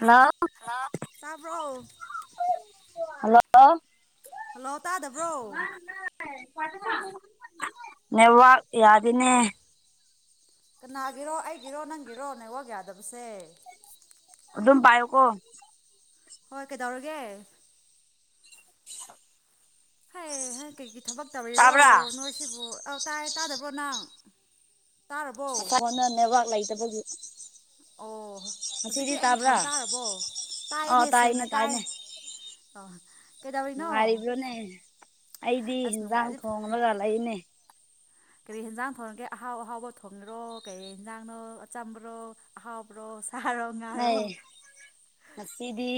hello ꯇꯥꯕ꯭ꯔꯣ hello hello ꯇꯥꯗꯕ꯭ꯔꯣ ꯅꯋꯥ ꯌꯥꯗꯅꯦ ꯀꯅꯥꯒꯤꯔꯣ ꯑꯩꯒꯤꯔꯣ ꯅꯪꯒꯤꯔꯣ ꯅꯋꯥꯛ ꯌꯥꯗꯕꯁꯦ ꯑꯗꯨꯝ ꯄꯥꯏꯣ ꯀꯣ ꯍꯣꯏ ꯀꯩꯗꯧꯔꯒꯦ ꯍ ꯍꯌꯦ ꯍ ꯀꯩꯒꯤ ꯊꯕꯛ ꯇꯧꯔꯤꯔꯣ ꯇꯥꯕ꯭ꯔꯥ ꯅꯣꯏꯁꯤꯕꯨ ꯇꯥꯏ ꯇꯥꯗꯕ꯭ꯔꯣ ꯅꯪ ꯇꯥꯔꯕꯣ ꯃꯅ ꯅꯦꯠꯋꯥꯛ ꯂꯩꯇꯕꯒꯤ ꯑꯣꯣ ꯉꯁꯤꯗꯤ ꯍꯧꯖꯤꯛꯇꯤ ꯑꯩꯒꯤ ꯇꯥꯕ꯭ꯔꯥ ꯈꯣꯟ ꯇꯥꯔꯕꯣ ꯇꯥꯏꯌꯦꯅꯦ ꯑꯣ ꯇꯥꯏꯅꯦ ꯁꯦꯡꯅ ꯇꯥꯏ ꯇꯥꯏꯅꯦ ꯑꯣ ꯀꯩꯗꯧꯔꯤꯅꯣ ꯅꯨꯡꯉꯥꯏꯔꯤꯕ꯭ꯔꯣꯅꯦ ꯑꯩꯗꯤ ꯑꯁ ꯌꯦꯟꯖꯥꯡ ꯅꯨꯡꯉꯥꯏꯔꯤ ꯊꯣꯡꯂꯒ ꯂꯩꯅꯦ ꯀꯔꯤ ꯍꯟꯖꯥꯡ ꯊꯣꯡꯒꯦ ꯑꯍꯥꯎ ꯑꯍꯥꯎꯕ ꯊꯣꯡꯉꯔꯣ ꯀꯔꯤ ꯌꯦꯟꯖꯥꯡꯅꯣ ꯑ ꯆꯝꯕ꯭ꯔꯣ ꯑꯍꯥꯎꯕ꯭ꯔꯣ ꯁꯥꯔꯣ ꯅ ꯉꯥꯔꯣ ꯃꯗꯤ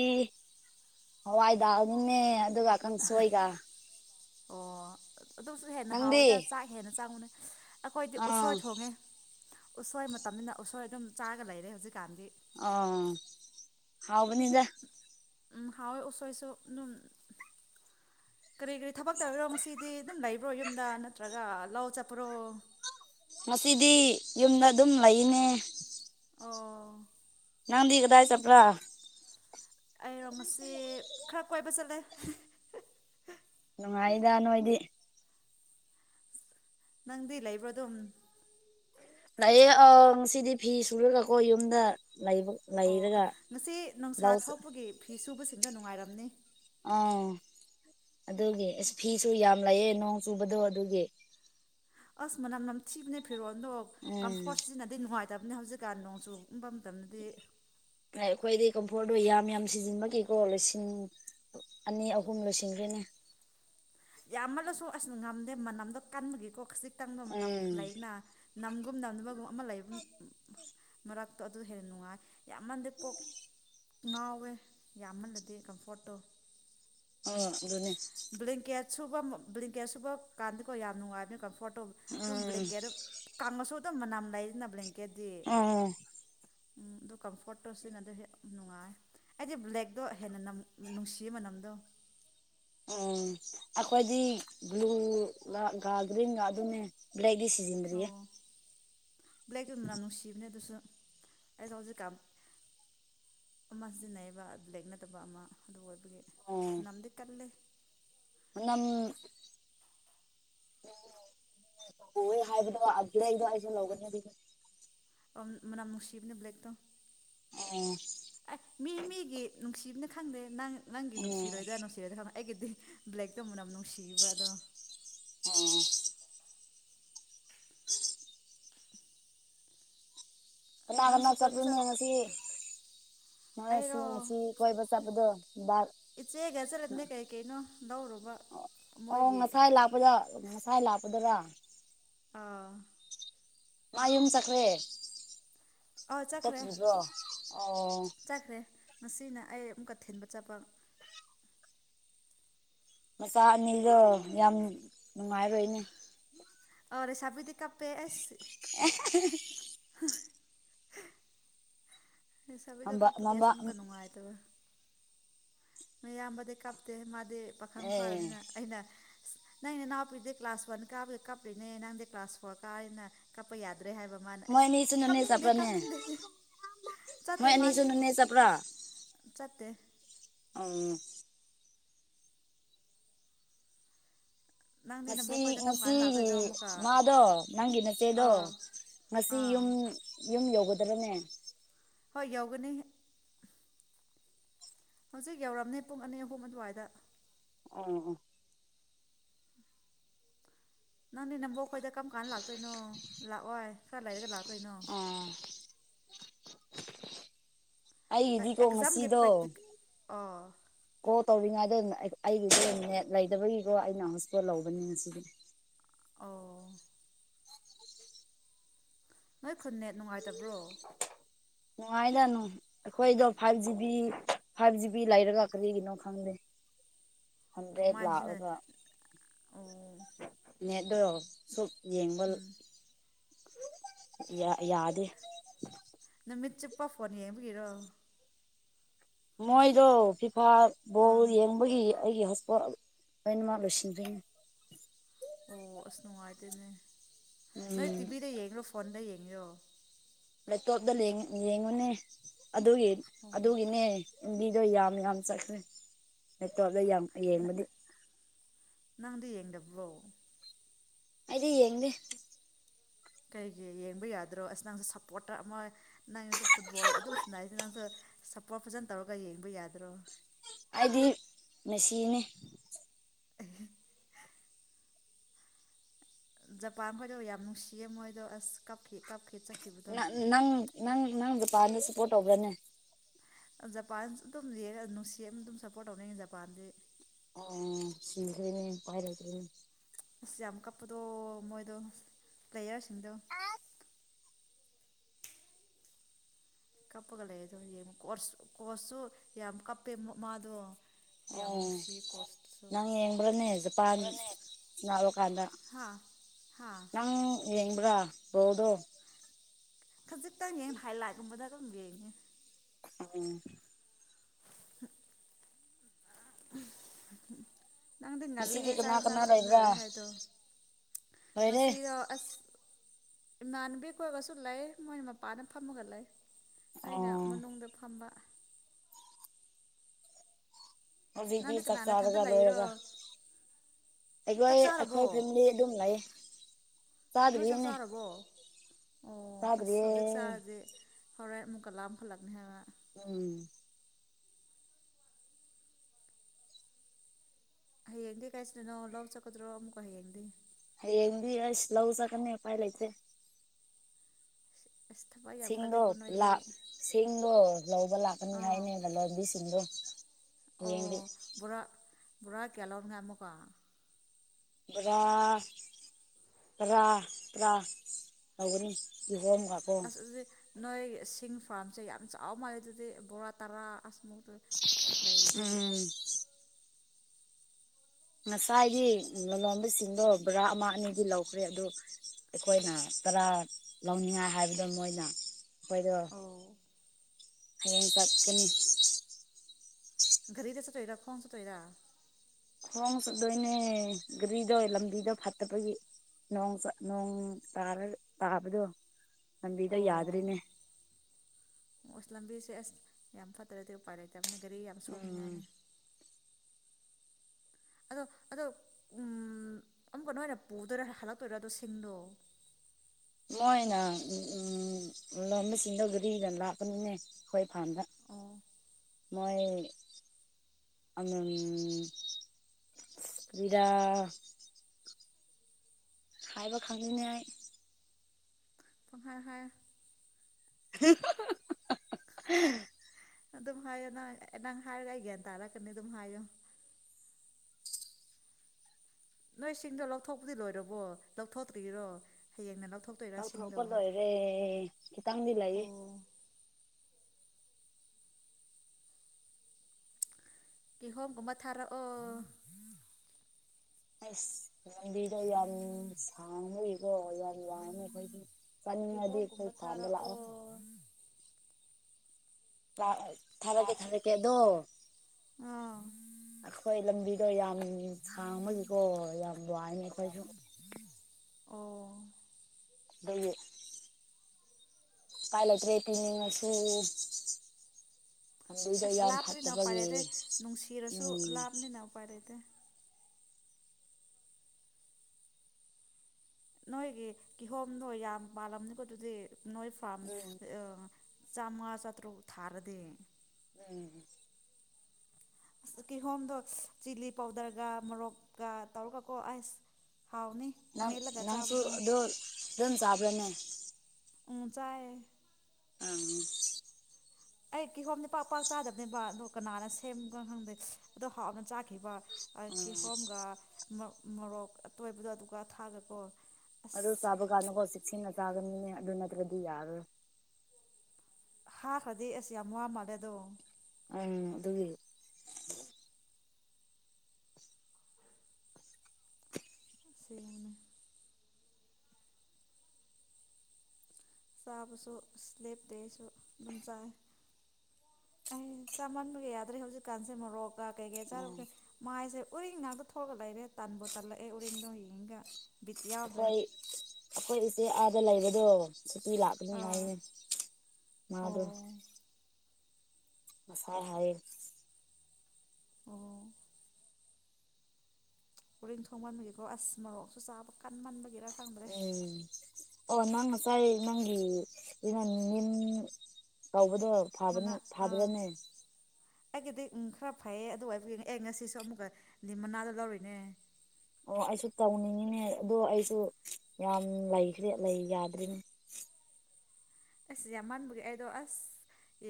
ꯍꯥꯏꯗꯅꯤꯟꯅꯦ ꯑꯗꯨꯒ ꯀꯟꯁꯨꯣꯏꯒ ꯑꯣ ꯑꯗꯨꯝꯁꯨ ꯍꯦꯟꯅ ꯅꯪꯗꯤ ꯍꯥꯎꯋꯦꯗ ꯆꯥꯛ ꯍꯦꯟꯅ ꯆꯪꯉꯨꯅꯦ ꯑꯩꯈꯣꯏꯗꯤ ꯑꯥ ꯎꯁꯣꯏ ꯊꯣꯡꯉꯦ ꯎꯁꯣꯏ ꯃꯇꯝꯅꯤꯅ ꯎꯁꯣꯏ ꯑꯗꯨꯝ ꯆꯥꯒ ꯂꯩꯔꯦ ꯍꯧꯖꯤꯛꯀꯥꯟꯗꯤ ꯑꯣ ꯍꯥꯎꯕꯅꯤꯗ ꯎꯝ ꯍꯥꯎꯣꯏ ꯎꯁꯣꯏꯁꯨ ꯑꯗꯨꯝ [inaudible] ꯀꯔꯤ ꯀꯔꯤ ꯊꯕꯛ ꯇꯧꯕꯕꯤꯔꯣ ꯉꯁꯤꯗꯤ ꯑꯗꯨꯝ ꯂꯩꯕ꯭ꯔꯣ ꯌꯨꯝꯗ ꯅꯠꯇ꯭ꯔꯒ ꯂ ꯆꯠꯄ꯭ꯔꯣ ꯉꯁꯤꯗꯤ ꯌꯨꯝꯗ ꯑꯗꯨꯝ ꯂꯩꯅꯦ ꯑꯣ ꯅꯪꯗꯤ ꯀꯗꯥꯏ ꯇꯕ꯭ꯔꯥ ꯑꯩꯔꯣꯃꯁꯤ ꯈꯔ ꯀꯣꯏꯕ ꯆꯠꯂꯦ ꯅꯅꯨꯡꯥꯏꯗꯅꯣꯣꯏꯗꯤ ꯅꯪꯗꯤ ꯂꯩꯕ꯭ꯔꯣ ꯑꯗꯨꯝ ꯂꯥꯛꯌꯦꯦ ꯑꯪ ꯉ ꯁꯤꯗꯤ ꯐꯤ ꯁꯨꯔꯒꯀꯣ ꯌꯨꯝꯗ ꯂꯩꯕ ꯑꯣ ꯑ ꯂꯩꯔꯒ ꯉꯁꯤ ꯅꯨꯡꯁꯥ ꯂꯧ ꯊꯣꯛꯄꯒꯤ ꯐꯤ ꯁꯨꯕꯁꯤꯡꯗ ꯅꯨꯡꯉꯥꯏꯔ ꯑ ꯑꯗꯨꯒꯤ ꯑꯁ ꯐꯤꯁꯨ ꯌꯥꯎ ꯂꯌꯦꯦ ꯅꯣꯡ ꯆꯨꯕꯗꯣ ꯑꯗꯨꯒꯤ ꯑꯁ ꯃꯅꯝ ꯅꯝꯊꯤꯕꯅꯦ ꯐꯤꯔꯛꯑꯣ ꯑꯗꯣ ꯎꯝ ꯀꯝꯐꯣꯔꯠ ꯁꯤꯖꯤꯟꯅꯗꯤꯩ ꯉꯥꯏꯇꯦ ꯇꯕꯅꯤ ꯍꯧꯖꯤꯛꯀꯥꯟ ꯅꯣꯡ ꯆꯨꯨꯝꯕ ꯃꯇꯝꯗꯗꯤ ꯑꯩꯈꯣꯏꯗꯤ ꯀꯝꯐꯣꯔꯠꯗ ꯌꯥꯝ ꯌꯥꯝ ꯁꯤꯖꯤꯟꯕꯒꯤꯀꯣ ꯂꯤꯁꯤꯡ ꯑꯅꯤ ꯑꯍꯨꯝ ꯂꯣꯏꯁꯤꯟꯈ꯭ꯔꯦ [inaudible] ꯌꯥꯝꯃꯜꯂꯁꯨ ꯑꯁꯁꯨ ꯉꯝꯗꯦ ꯃꯅꯝꯗꯣ ꯀꯟꯕꯒꯤꯀꯣ ꯈꯖꯤꯛꯇꯪꯕ ꯃꯅꯝ ꯎꯝ ꯂꯥꯏꯔꯤꯛꯅ ꯅꯝꯒꯨꯝ ꯅꯝꯅꯕꯒꯨꯝ ꯑꯃ ꯂꯩꯕ ꯃꯔꯛꯇꯣ ꯑꯗꯨ ꯍꯦꯟꯅ ꯅꯨꯡꯉꯥꯏ ꯌꯥꯝꯃꯟꯗꯤ ꯀꯣꯛ ꯉꯥꯎꯋꯦ ꯌꯥꯝꯃꯜꯂꯗꯤ ꯀꯝꯐꯣꯔꯠꯇꯣ ꯑ ꯑꯗꯨꯅꯦ ꯕ꯭ꯂꯤꯡꯀꯦꯠ ꯁꯨꯕ ꯕ꯭ꯡꯀꯦꯠ ꯁꯨꯕ ꯀꯥꯟꯗꯤꯀꯣ ꯌꯥꯝ ꯅꯨꯡꯉꯥꯏꯕꯅꯦ ꯐꯣꯇꯣ ꯑꯗꯨꯝ ꯎꯝ ꯕ꯭ꯂꯦꯡꯀꯦꯠꯇ ꯀꯪꯉꯁꯨ ꯑꯗꯨꯝ ꯃꯅꯝ ꯂꯩꯗꯅ ꯕ꯭ꯂꯦꯡꯀꯦꯠꯇꯤ ꯎꯝ ꯎꯝ ꯑꯗꯨ ꯀꯝꯐꯣꯔꯠꯇꯣ ꯁꯤꯖꯤꯟꯅꯗꯣ ꯍꯦꯛ ꯅꯨꯡꯉꯥꯏ ꯑꯩꯗꯤ ꯕ꯭ꯂꯦꯛꯇꯣ ꯍꯦꯟꯅ ꯅ ꯅꯨꯡꯁꯤꯌꯦ ꯃꯅꯝꯗꯣ ꯎꯝ ꯑꯩꯈꯣꯏꯗꯤ ꯕ꯭ꯂꯨꯒꯒ ꯒ꯭ꯔꯤꯟꯒ ꯑꯗꯨꯅꯦ ꯕ꯭ꯂꯦꯛ ꯍꯂꯤ ꯁꯖꯤꯤꯟꯔꯤ ꯕ꯭ꯂꯦꯛ ꯌꯕ ꯌꯥꯝ ꯅꯨꯡꯁꯤꯕꯅꯦ ꯑꯗꯨꯁꯨ ꯑꯩꯁꯨ ꯍꯧꯖꯤꯛꯀꯥꯟ ꯑꯃ ꯁꯤꯖꯤꯟꯅꯩꯑꯕ ꯕ꯭ꯂꯦꯛ ꯅꯠꯇꯕ ꯑꯃ ꯑꯗꯨ ꯑꯣꯏꯕꯒꯤ ꯅꯝꯗꯤ ꯀꯂ ꯑꯝ ꯍꯥꯏꯔꯁꯨꯒꯅꯦ ꯑꯣ ꯃꯅꯥꯁꯤꯕꯅꯦ ꯕ꯭ꯂꯦꯛꯛꯇ ꯎꯝ ꯑꯦ ꯃꯤ ꯃꯤꯒꯤ ꯅꯨꯡꯁꯤꯕꯅ ꯈꯪꯗꯦ ꯅꯪ ꯅꯪꯒꯤ ꯎꯝ ꯅꯨꯡꯁꯤꯔꯣꯏꯗ꯭ꯔꯥ ꯅꯨꯡꯁꯤꯔꯣꯏꯗ꯭ꯔꯥ ꯈꯪ ꯑꯩꯒꯤꯗꯤ ꯕ꯭ꯂꯦꯛꯛꯇꯕꯨꯅ ꯌꯥꯝ ꯅꯨꯡꯁꯤꯕ ꯑꯗꯣ ꯑꯣ [inaudible] ꯑ ꯇꯒꯅ ꯅꯪꯁꯨ ꯀꯣꯏꯕ ꯆꯠ ꯆꯄꯅꯁꯤ ꯃꯣꯏꯁꯨ ꯑꯩꯔꯣ ꯉꯁꯤ ꯀꯣꯏꯕ ꯆꯕꯗ ꯔ ꯏꯆꯦꯒ ꯆꯠꯂꯅꯦ ꯀꯩ ꯀꯩꯅꯣ ꯂꯧꯔꯨꯕ ꯑꯣ ꯃꯣꯏꯒꯤ ꯉꯁꯥꯏ ꯂꯥꯛꯄꯗ ꯉꯁꯥꯏ ꯂꯥꯛꯄꯗꯔ ꯑꯥ ꯃꯥꯏꯌꯨꯝ ꯆꯀ꯭ꯔꯦꯠ ꯑꯥ ꯆꯠꯈ꯭ꯔꯦ ꯆꯠꯔꯤꯒꯣ ꯑꯣ ꯆꯠꯈ꯭ꯔꯦ ꯉꯁꯤꯅ ꯑꯩ ꯑꯃꯨꯛꯀ ꯊꯤꯟꯕ ꯆꯠꯄ ꯃꯆꯥ ꯑꯅꯤꯗꯣ ꯌꯥꯝ ꯅꯨꯡꯉꯥꯏꯔꯣꯏꯅꯦ ꯑꯣꯔ ꯁꯕꯤꯗꯤ ꯀꯄꯦꯁ ꯑ [unintelligible] ꯍꯁꯕꯤꯗ ꯃꯝꯕ ꯀꯄ ꯃꯝꯕ ꯀꯦꯁꯃ ꯀꯅꯅꯨꯡꯇꯕ ꯅ ꯑꯌꯥꯝꯕꯗꯤ ꯀꯥꯞꯇꯦ ꯃꯥꯗꯤ ꯄꯥꯈꯪ ꯑꯦ ꯐꯥꯔꯕꯅꯤꯅ ꯑꯩꯅ ꯅꯪꯅꯦ ꯅꯅꯥꯎꯄꯤꯗꯤ ꯀ꯭ꯂꯥꯁ ꯋꯥꯟ ꯀꯥꯕꯗ ꯀꯞꯄꯂꯤꯅꯦ ꯅꯪꯗꯤ ꯀ꯭ꯂꯥꯁ ꯐꯣꯔ ꯀꯥꯔꯤꯅ ꯀꯞꯄ ꯌꯥꯗ ꯭ꯔꯦ ꯍꯥꯏꯕ ꯃꯥꯅ ꯃꯣꯏ ꯑꯁ ꯑꯅꯤꯁꯨ ꯀꯥꯞꯅꯤꯡꯗꯦ ꯀꯥꯞꯅꯤꯡꯗꯦ ꯍꯣꯏꯅꯤꯁꯨꯅꯅꯅꯦ ꯆꯄꯔꯥ ꯆꯠꯇꯦ ꯑ ꯅꯪꯗꯤ ꯉꯁꯤ ꯅꯕꯣꯛꯈꯣꯏꯗ ꯀꯔꯝ ꯀꯥꯟꯗ ꯉꯁꯤꯒꯤ ꯂꯥꯛꯇꯣꯏꯅꯣ ꯑꯃꯨꯛꯀ ꯃꯥꯗꯣ ꯅꯪꯒꯤ ꯅꯆꯦꯗꯣ ꯑꯥ ꯉꯁꯤ ꯑꯥ ꯌꯨꯝ ꯌꯨꯝ ꯌꯧꯒꯗꯔꯅꯦ ꯍꯣꯏ ꯌꯥꯎꯒꯅꯤ ꯍꯧꯖꯤꯛ ꯌꯧꯔꯝꯅꯦ ꯄꯨꯡ ꯑꯅꯤ ꯑꯍꯨꯝ ꯑꯗꯨꯋꯥꯏꯗ ꯑꯣ ꯅꯪꯅꯦ ꯅꯕꯨꯣ ꯑꯩꯈꯣꯏꯗ ꯀꯔꯝ ꯀꯥꯟꯗ ꯂꯥꯛꯇꯣꯏꯅꯣ ꯂꯥꯛꯑꯣꯏ ꯈꯔ ꯂꯩꯔꯒ ꯂꯥꯛꯇꯣꯏꯅꯣ ꯑꯥ ꯑꯩꯒꯤꯗꯤꯀꯣ ꯑꯦꯛꯖꯥꯝꯒꯤ ꯉꯁꯤꯗꯣ ꯄ꯭ꯔꯦꯛꯇꯤꯛ ꯑꯣ ꯀꯣ ꯇꯧꯔꯤꯉꯥꯏꯗ ꯑꯩꯒꯤꯁꯨ ꯂꯩꯗꯕꯒꯤꯀꯣ ꯑꯩꯅ ꯍꯧꯣꯁꯄꯜ ꯂꯧꯕꯅꯦ ꯉꯁꯤꯒꯤ ꯑꯣ ꯅꯣꯏ ꯈꯨꯟꯅ ꯅꯨꯡꯉꯥꯏꯇꯕ꯭ꯔꯣ ꯅꯨꯡꯉꯥꯏꯗꯥꯅꯨ ꯑꯩꯈꯣꯏꯗꯣ ꯐꯥꯏꯚ ꯖꯤꯕꯤ ꯐꯥꯏꯚ ꯖꯤꯕꯤ ꯂꯩꯔ ꯂꯥꯛ ꯀꯔꯤꯒꯤꯅꯣ ꯈꯪꯗꯦ ꯍꯟꯗꯦꯠ ꯀꯃꯥꯏꯅ ꯁꯤꯅ ꯂꯥꯛꯑꯒ ꯑꯣ ꯅꯠꯗ ꯁꯨꯞ ꯌꯦꯡꯕ ꯎꯝ ꯌꯥ ꯌꯥꯗꯦ ꯃꯤꯦꯠ ꯆꯦꯞꯄ ꯐꯅꯤ ꯍꯥꯏꯏꯕ ꯀꯔꯣ ꯃꯣꯏꯗꯣ ꯐꯤꯐꯥꯐꯧ ꯑꯥ ꯌꯦꯡꯕꯒꯤ ꯑꯩꯒꯤ ꯍꯥꯞꯄ ꯃꯩꯅ ꯃꯥꯂꯨꯁꯤ ꯑꯣ ꯑꯁ ꯅꯨꯡꯉꯥꯏꯇꯦꯅꯦ ꯅꯣꯏ ꯎꯝ ꯇꯤꯚꯤꯗ ꯌꯦꯡꯉꯔꯣ ꯐꯣꯟꯗ ꯌꯦꯡꯉꯔꯣ ꯂꯦꯞꯇꯣꯞꯇ ꯌꯦꯡꯉꯨꯅꯦ ꯑꯗꯨꯒꯤ ꯑꯣ ꯑꯗꯨꯒꯤꯅꯦ ꯏꯟꯕꯤꯗꯣ ꯌꯥꯝ ꯌꯥꯝ ꯆꯠꯈ꯭ꯔꯦ ꯅꯦꯞꯇꯣꯞꯗ ꯌꯥꯝ ꯌꯦꯡꯕꯗꯤ ꯅꯪꯗꯤ ꯌꯦꯡꯗꯕ꯭ꯂꯣ ꯑꯗꯤ ꯌꯦꯦ ꯀꯩꯒꯤ ꯌꯦꯡꯕ ꯌꯥꯗ꯭ꯔꯣ ꯑꯁꯤ ꯅꯪꯁꯨ ꯁꯞꯄꯣꯔꯇꯔ ꯑꯃ ꯅꯪꯁꯨ ꯐꯨꯠꯕꯣꯜ ꯑꯗꯨꯝ ꯁꯤꯖꯤꯟꯅꯔꯤꯁꯤ ꯅꯪꯁꯨ ꯁꯞꯄꯣꯔꯠ ꯐꯖꯅ ꯇꯧꯔꯒ ꯌꯦꯡꯕ ꯌꯥꯗ꯭ꯔꯣ ꯑꯗꯨꯗꯤ ꯃꯁꯤꯟꯅꯅꯦ ꯖꯄꯥꯟ ꯈꯣꯏꯗꯣ ꯌꯥꯝ ꯅꯨꯡꯁꯤꯌꯦ ꯃꯣꯏꯗꯣ ꯑꯁ ꯀꯞꯈꯤ ꯀꯞꯈꯤ ꯆꯠꯈꯤꯕꯗꯣ ꯅꯪ ꯅꯪ ꯅꯪ ꯅꯪꯄꯥꯅ ꯁꯄꯣꯔ ꯑꯣꯕ꯭ꯔꯅꯦ ꯖꯄꯥꯟꯁꯨ ꯑꯗꯨꯝ ꯌꯦꯡꯉ ꯅꯨꯡꯁꯤꯅ ꯑꯗꯨꯝ ꯁꯞꯄꯣꯔꯠ ꯇꯧꯅꯤꯡ ꯖꯄꯥꯟꯗꯤ ꯁꯤꯁꯤꯡꯈꯔꯤꯅꯤ ꯄꯥꯏꯔꯛꯈꯅꯤ ꯑꯁ ꯌꯥꯝ ꯀꯞꯄꯗꯣ ꯃꯣꯏꯗꯣ ꯄ꯭ꯂꯦꯌꯔꯁꯤꯡꯗꯣ ꯀꯄꯒ ꯂꯩꯗꯣ ꯌꯦꯡꯉ ꯀꯣꯔꯁꯨ ꯌꯥꯝ ꯀꯞꯄꯦ ꯃꯥꯗꯣ ꯌꯥꯝ ꯑꯣ ꯅꯨꯡꯁꯤ ꯀꯣꯆꯇꯨꯁꯨ ꯅꯪ ꯌꯦꯡꯕ꯭ꯔꯅꯦ ꯖꯄꯥꯟ ꯉꯥꯛꯂꯀꯥꯟꯗ ꯍꯥ ꯍꯥ ꯅꯪ ꯌꯦꯡꯕ꯭ꯔꯥ ꯔꯧꯗꯣ ꯈꯖꯤꯛꯇꯪ ꯌꯦꯡ ꯍꯥꯏ ꯂꯥꯏꯀꯨꯝꯕꯗ ꯑꯗꯨꯝ ꯌꯦꯡꯉꯦ ꯎꯝ [inaudible] ꯅꯪꯗꯤ ꯉꯁꯤꯗꯤ ꯉꯜꯂꯦꯍꯦ ꯆꯥꯛ ꯀꯅꯥ ꯌꯦꯟꯁꯥꯡ ꯀꯅꯥ ꯊꯣꯝꯕ ꯂꯩꯕ꯭ꯔꯥ ꯂꯣꯏꯔꯦ ꯍꯥꯏꯗꯣ ꯂꯣꯏꯔꯦ ꯃꯁꯤꯁꯗ ꯑꯁ ꯏꯃꯥꯟꯕꯤ ꯀꯣꯏꯕꯁꯨ ꯂꯩ ꯃꯣꯏꯅ ꯃꯄꯥꯅ ꯐꯝꯃꯒ ꯂꯩ ꯑꯩꯅ ꯑꯣ ꯃꯅꯨꯡꯗ ꯐꯝꯕ ꯍꯧꯗꯤꯒꯤ ꯅꯪꯗꯤ ꯀꯅꯥ ꯅꯊꯟꯇ ꯇꯔꯀꯥꯗꯒ ꯂ ꯂꯩꯔꯣ ꯑꯣꯏꯌꯦꯒ ꯑꯩꯈꯣꯏ ꯆꯥꯛ ꯆꯥꯔꯕꯣ ꯑꯩꯈꯣꯏ ꯐꯦꯃꯤꯂꯤ ꯑꯗꯨꯝ ꯂꯩ ꯅꯣꯏ ꯆꯥꯛ ꯆꯥꯔꯕꯣ ꯑꯣ ꯑꯁ ꯆꯥꯗ꯭ꯔꯤꯌꯦ ꯍꯧꯖꯤꯛ ꯆꯥꯔꯗꯤ ꯍꯣꯔꯏ ꯑꯃꯨꯛ ꯒꯥ ꯑꯃ ꯐꯜꯂꯥꯛꯅ ꯍꯥꯏꯔ ꯎꯝ ꯍ ꯌꯦꯡꯗꯤ ꯀꯥꯏ ꯂꯩ ꯅ ꯂ ꯂꯧ ꯆ ꯀꯀꯗ꯭ꯔꯣ ꯑꯃꯨꯀ ꯍꯌꯦ ꯌꯦꯡꯗꯦ ꯍꯗꯤ ꯑ ꯂꯍ ꯆ ꯀꯅꯦ ꯄꯥꯏ ꯂꯩꯆꯦ ꯑꯁ ꯊꯕꯛ ꯌꯥꯝ ꯁꯤꯡꯗꯣ ꯀꯜꯂꯦꯀꯣ ꯂ ꯅꯣꯏꯗꯤ ꯁꯤꯡꯗꯣ ꯂꯧꯕ ꯂꯥꯛꯀꯅꯤ ꯑꯥ ꯍꯥꯏꯅꯦ ꯂꯂꯕꯤꯁꯤꯡꯗꯣ ꯌꯦꯒꯤ ꯄꯨꯔꯥ ꯀꯦꯜꯣꯟꯈꯥꯏ ꯑꯃꯨ ꯀ ꯭ꯔꯥ ꯇꯔꯥ ꯇꯔꯥ ꯍꯧꯒꯅꯤ ꯏꯍꯣꯝ ꯑꯁ ꯑꯗꯨ ꯅꯣꯏ ꯁꯤꯡ ꯐꯥꯔꯝꯁꯦ ꯌꯥꯝ ꯆꯥꯎ ꯃꯥꯜꯂꯦꯗꯗꯤ ꯕꯣꯔꯥ ꯇꯔꯥ ꯑꯁꯃꯨꯛꯇ ꯂꯩꯔꯗꯤ ꯎꯝ ꯉꯁꯥꯏꯒꯤ ꯂꯂꯣꯟꯕꯁꯤꯡꯗꯣ ꯕꯣꯔꯥ ꯑꯃ ꯑꯅꯤꯗꯤ ꯂꯧꯈ꯭ꯔꯦ ꯑꯗꯨ ꯑꯩꯈꯣꯏꯅ ꯇꯔꯥ ꯂꯧꯅꯤꯡꯉꯥꯏ ꯍꯥꯏꯕꯗ ꯃꯣꯏꯅ ꯑꯩꯈꯣꯏꯗ ꯑꯣ ꯍꯌꯦꯡ ꯀꯄ ꯀꯅꯤ ꯔꯤꯗ ꯆ ꯇꯣꯏꯔ ꯈꯣꯡꯣꯟꯁꯨꯇꯣꯏꯔ ꯈꯣꯡ ꯆꯗꯣꯏꯅꯦ ꯒꯥꯔꯤꯗꯣ ꯂꯝꯕꯤꯗꯣ ꯐꯠꯇꯕꯒꯤ ꯅꯣꯡ ꯇꯥꯔ ꯇꯥꯕꯗꯣ ꯅꯝꯕꯤꯗ ꯌꯥꯗ꯭ꯔꯅꯦ ꯑꯣ ꯑꯁ ꯂꯝꯕꯤꯁꯦ ꯑꯁ ꯌꯥꯝ ꯐꯠꯇ꯭ꯔꯦꯗꯤ ꯎꯄꯥꯏ ꯂꯩꯇꯕꯅ ꯒꯥꯔꯤ ꯌꯥꯝ ꯎꯝ ꯁꯣꯛꯅꯤꯡꯉꯥꯏꯅꯤ ꯑꯗꯣ ꯑꯗꯣ ꯎꯝ ꯑꯃꯨꯛꯀ ꯅꯣꯏꯅ ꯄꯨꯗꯣꯏꯔꯥ ꯍꯜꯂꯛꯇꯣꯏꯔꯗꯣ ꯁꯤꯡꯗꯣ ꯃꯣꯏꯅ ꯂꯣꯟꯕ ꯆꯤꯡꯗ ꯒꯔꯤꯗ ꯂꯥꯛꯄꯅꯤꯅꯦ ꯑꯩꯈꯣꯏ ꯐꯥꯔꯝꯗ ꯑꯣ ꯃꯣꯏ ꯑ ꯕꯤꯗ ꯍꯥꯏꯥꯏꯕ ꯈꯪꯅꯦꯥꯏ ꯄꯍꯥꯏ ꯍ [unintelligible] ꯑꯗꯨꯝ ꯍꯥꯏꯌꯣ ꯅꯪ ꯅꯪ ꯍꯥꯏꯔꯒ ꯑꯩ ꯒ꯭ꯌꯥꯟ ꯇꯥꯔꯛꯀꯅꯤ ꯑꯗꯨꯝ ꯍꯥꯏꯌꯣ ꯅꯣꯏ ꯁꯤꯡꯗꯣ ꯂꯧꯊꯣꯛꯄꯗꯤ ꯂꯣꯏꯔꯕꯣ ꯂꯧꯊꯣꯛꯇ꯭ꯔꯤꯔꯣ ꯍꯌꯦꯡꯅ ꯂꯧꯊꯣꯛ ꯌꯥꯎ ꯊꯄꯗ ꯑꯣꯏꯔꯦ ꯏ ꯇꯪꯗꯂ ꯑꯩ ꯑꯣ ꯄꯤꯍꯣꯝꯒ ꯑꯃ ꯊꯥꯔꯛꯑꯣ ꯃꯟꯗꯤꯗ ꯌꯥꯝ ꯁ ꯑꯣ ꯌꯥꯝ ꯋꯥꯡꯅꯤ ꯑꯩꯈꯣꯏꯁꯨ ꯆꯥꯅꯤꯡꯉꯗꯤ ꯀꯤꯍꯣꯝꯒꯨꯝꯕ ꯑꯩꯈꯣꯏ ꯐꯥꯔꯝꯗ ꯊꯥꯔꯛꯑꯣ ꯂꯥꯛꯑꯣ ꯊꯥꯔꯛꯀꯦ ꯊꯥꯔꯛꯀꯦ ꯑꯗꯣ ꯑꯥ ꯑꯩꯈꯣꯏ ꯂꯝꯕꯤ ꯑꯗꯣ ꯌꯥꯝ ꯁꯥꯡꯕꯒꯤꯀꯣ ꯌꯥꯝ ꯋꯥꯏꯅꯦ ꯑꯩꯈꯣꯏꯁꯨ ꯑꯣ [unintelligible] ꯄꯥꯏꯂꯦꯇꯔꯤ ꯀ꯭ꯂꯤꯅꯤꯡꯅꯤꯡ ꯑꯁꯤꯁꯨ ꯑꯗꯨꯏꯗ ꯑꯁ ꯏꯟ ꯂꯥꯞꯄꯅꯤꯅ ꯎꯄꯥꯏ ꯐꯠꯇꯕꯒꯤ ꯂꯩꯇꯦ ꯅꯨꯡꯁꯤꯔꯁꯨ ꯎꯝ ꯂꯥꯞꯄꯅꯤꯅ ꯎꯄꯥꯏ ꯂꯩꯇꯦ ꯅꯣꯏꯒꯤ ꯀꯤꯍꯣꯝ ꯅꯣꯏ ꯌꯥꯝ ꯄꯥꯜꯂꯝꯅꯤꯀꯣ ꯑꯗꯨꯗꯤ ꯅꯣꯏ ꯐꯥꯔꯝ ꯎꯝ ꯆꯥꯝꯃꯉꯥ ꯆꯥꯠꯇ꯭ꯔꯨꯛ ꯊꯥꯔꯗꯦ ꯎꯝ ꯑꯁ ꯀꯤꯍꯣꯝꯗꯣ ꯆꯤꯂꯤ ꯄꯥꯎꯗꯔꯒ ꯃꯣꯔꯣꯛꯀ ꯇꯧꯔꯒꯀꯣ ꯑꯁ ꯍꯥꯎꯅꯤ ꯅꯪ ꯃꯦꯠꯂꯒ ꯅꯪꯁꯨ ꯆꯥꯕꯗꯣ ꯑꯗꯨ ꯑꯗꯨꯝ ꯆꯥꯕ꯭ꯔꯅꯦ ꯃꯖꯥꯏ ꯑꯥ ꯑꯩ ꯀꯤꯍꯣꯝ ꯅꯤꯄꯥꯛ ꯄꯥꯛ ꯆꯥꯗꯕꯅꯦꯕ ꯑꯗꯣ ꯀꯅꯥꯅ ꯁꯦꯝꯒꯣ ꯈꯪꯗꯦ ꯑꯗꯣ ꯍꯥꯎꯅ ꯆꯥꯈꯤꯕ ꯑꯪ ꯀꯤꯍꯣꯝꯒ ꯃꯣꯔꯣꯛ ꯑꯇꯣꯏꯕꯗꯣ ꯑꯗꯨꯒ ꯊꯥꯒꯀꯣ ꯑꯗꯨꯣ ꯁꯥꯕ ꯀꯥꯟꯅ ꯀꯣꯁꯤꯁꯤꯅ ꯆꯥꯒ ꯑꯗꯨ ꯑꯗꯨ ꯅꯠꯇꯕ ꯌꯥꯔ ꯍꯥꯥ ꯈ꯭ꯔꯗꯤ ꯑꯁ ꯌꯥꯝ ꯋꯥ ꯃꯥꯜꯂꯦ ꯑꯗꯣ ꯑꯪ ꯑꯗꯨꯒꯤ ꯁ ꯑꯃ ꯆꯥꯕꯁꯨ ꯂꯦꯞꯇꯦꯁꯨ ꯑꯗꯨꯝ ꯆꯥꯏ [unintelligible] ꯑꯩ ꯆꯥꯃꯟꯕꯒ ꯌꯥꯗ꯭ꯔꯦ ꯍꯧꯖꯤꯛꯀꯥꯟꯁꯦ ꯃꯣꯔꯣꯛꯀ ꯀꯩꯀꯩ ꯎꯝ ꯆꯥꯔꯨꯒ ꯃꯥꯏꯁꯦ ꯎꯔꯤꯡ ꯉꯅꯥꯥꯛꯛꯇ ꯊꯣꯛꯂꯒ ꯂꯩꯦ ꯔꯦ ꯇꯥꯟꯕꯣ ꯇꯜꯂꯑꯦ ꯎꯔꯤꯡꯗꯣ ꯍꯌꯦꯡꯒ ꯑꯩꯈꯣꯏ ꯑꯩꯈꯣꯏ ꯏꯆꯦ ꯑꯥꯗ ꯂꯩꯕꯗꯣ ꯁꯨꯛꯇ ꯂꯥꯛ ꯀ ꯑꯥ ꯉꯥꯏꯅꯦ ꯃꯥꯗ ꯑꯣ ꯉꯁꯔ ꯍꯔ ꯑꯣ ꯎꯔꯤꯡ ꯊꯣꯡꯃꯟꯕꯒꯤꯀꯣ ꯑꯁ ꯃꯣꯔꯣꯛꯁꯨ ꯆꯥꯕ ꯀꯟꯃꯟꯕꯒꯤꯔ ꯈꯪꯗ꯭ꯔꯦ ꯎꯝ ꯑꯣ ꯅꯪ ꯉꯥꯏ ꯅꯪꯤ ꯏ ꯐꯕꯗꯣ ꯃꯅꯥ ꯑꯥ ꯐꯥꯕꯒꯅꯦ ꯑꯩꯒꯤꯗꯤ ꯈꯔ ꯐꯩꯌꯦ ꯑꯗꯨ ꯍꯥꯏꯕꯒꯤꯡ ꯑꯦ ꯉꯁꯤꯁꯨ ꯑꯃꯨꯛꯀ ꯂꯤ ꯃꯅꯥꯗ ꯂꯧꯔꯨꯅꯦ ꯑꯣ ꯑꯩꯁꯨ ꯇꯧꯅꯤꯡꯉꯤꯅꯦ ꯑꯗꯣ ꯑꯩꯁꯨ ꯌꯥꯝ ꯂꯩꯈ꯭ꯔꯦ ꯂꯩ ꯌꯥꯗ꯭ꯔꯤꯅꯦ [unintelligible] ꯑꯁ ꯌꯥꯝ ꯃꯥꯟꯕꯒꯤ ꯑꯩꯗꯣ ꯑꯁ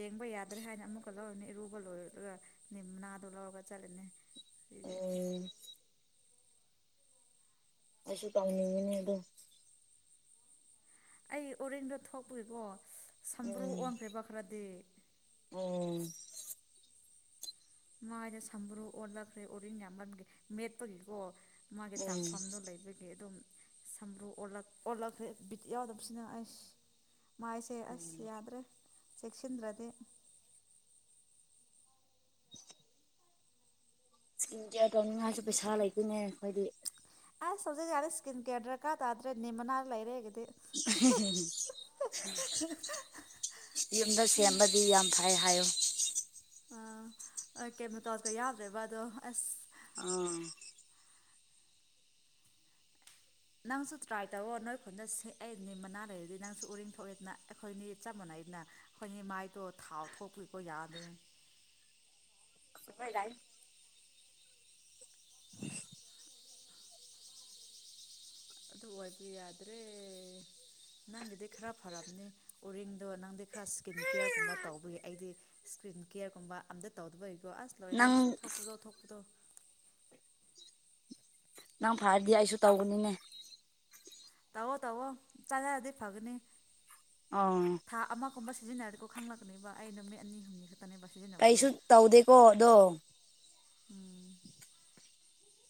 ꯌꯦꯡꯕ ꯌꯥꯗ꯭ꯔꯦ ꯍꯥꯏꯅ ꯑꯃꯨꯛꯀ ꯂꯧꯔꯅꯦ ꯏꯔꯨꯕ ꯂꯣꯏꯔꯒ ꯅꯤꯅꯥꯗꯣ ꯂꯧꯔꯒ ꯆꯠꯂꯅꯦ ꯎ ꯑꯁꯨ ꯇꯧꯉꯅꯤ ꯑꯗꯣ ꯑꯩ ꯑꯣꯔꯤꯡꯗꯣ ꯊꯣꯛꯄꯨꯏꯦꯀꯣ ꯁꯝꯕ꯭ꯔꯨ ꯑꯣꯟꯈ꯭ꯔꯦꯔꯤꯕ ꯈꯔꯗꯤ ꯎ ꯃꯥꯥꯏꯗ ꯁꯝꯕ꯭ꯔꯨ ꯑꯣꯜꯂꯛꯈ꯭ꯔꯦ ꯑꯣꯔꯤꯟ ꯌꯥꯝꯃꯟꯒꯦ ꯃꯦꯠꯄꯒꯤꯀꯣ ꯃꯥꯒꯤ ꯎꯝ ꯗꯥꯛꯐꯝꯗꯨꯣ ꯂꯩꯕꯒꯤ ꯑꯗꯨꯝ ꯁꯝ꯭ꯔꯨ ꯑꯣꯂ ꯑꯣꯜꯂꯛꯈ꯭ꯔꯦ ꯕꯤꯠ ꯌꯥꯎꯗꯕꯁꯤꯅ ꯑꯩ ꯃꯥꯏꯁꯦ ꯎꯝ ꯑꯁ ꯌꯥꯗ꯭ꯔꯦ ꯆꯦꯛꯁꯤꯟꯗ꯭ꯔꯗꯤ [unintelligible] ꯏꯁꯀꯤꯝ ꯀꯦꯌꯥꯔ ꯇꯧꯅꯤꯡꯉꯥꯏꯁꯨ ꯄꯩꯁꯥ ꯂꯩꯗꯣꯏꯅꯦ ꯑꯩꯈꯣꯏꯗꯤ ꯑ ꯁꯖ ꯌꯥꯔꯦ ꯏꯁꯀꯤꯟ ꯀꯦꯔ ꯗ꯭ꯔꯛꯀꯗ꯭ꯔꯦꯅꯤꯅ ꯂ ꯂꯩꯔꯦꯒ ꯌꯨꯝꯗ ꯁꯦꯝꯕꯗꯤ ꯌꯥꯝ ꯐꯩ ꯌꯥ ꯍꯥꯏꯌꯣ ꯀꯦꯃꯣꯇꯣꯁꯀ ꯌꯥꯎꯗ꯭ꯔꯦꯕ ꯑꯗꯣ ꯑꯁ ꯑꯥ ꯅꯪꯁꯨ ꯇ꯭ꯔꯥꯏ ꯇꯧꯔꯑꯣ ꯅꯣꯏ ꯈꯨꯟꯗ ꯑꯩꯅꯤ ꯃꯅꯥ ꯂꯩꯔꯗꯤ ꯅꯪꯁꯨ ꯎꯔꯤꯡ ꯊꯣꯛꯣꯛꯏꯦꯅ ꯑꯩꯈꯣꯏ ꯃꯤꯠ ꯆꯞ ꯃꯥꯟꯩ ꯍꯥꯏꯅ ꯑꯩꯈꯣꯏꯒꯤ ꯃꯥꯏꯗꯣ ꯊꯥꯎ ꯊꯣꯛꯄꯤꯀꯣ ꯌꯥꯅꯤꯦ [unintelligible] ꯍꯣꯏ ꯌꯥꯥꯏ ꯑꯗꯨꯗ ꯍꯕꯤꯗ꯭ꯔꯦ ꯅꯪꯒꯤꯗꯤ ꯈꯔ ꯐꯝꯅꯤ ꯎꯔꯤꯡꯗꯣ ꯅꯪꯗꯤ ꯈꯔ ꯏꯁꯀꯤꯟ ꯀꯦꯌꯔꯒꯨꯝꯕ ꯇꯧꯕꯒꯤ ꯑꯩꯗꯤ ꯏꯁꯀ꯭ꯔꯤꯟ ꯀꯦꯌꯔꯒꯨꯝꯕ ꯑꯝꯇ ꯇꯧꯗꯕꯩꯒꯤꯀꯣ ꯑꯁ ꯂꯣꯏꯔꯦ ꯅꯪ ꯑꯁ ꯊꯣꯛꯄꯗꯣ ꯊꯣꯛꯄꯗꯣ ꯅꯪ ꯐꯔꯗꯤ ꯑꯩꯁꯨ ꯇꯧꯒꯅꯤꯅꯦ ꯇꯋꯣ ꯇꯋꯣ ꯆꯉꯗꯤ ꯐꯒꯅꯤ ꯑ ꯑꯀꯣ ꯁꯤꯖꯤꯟꯅꯔꯤ ꯀꯧꯕ ꯈꯥꯡꯛꯒꯅꯦꯕꯕꯥ ꯑꯩꯩꯅ ꯅꯨꯃꯤ ꯑꯅꯤ ꯍꯨꯝꯅꯤ ꯈꯦ ꯀꯩꯁꯨ ꯇꯧꯗꯦꯀꯣ ꯑꯗꯣ ꯎꯝ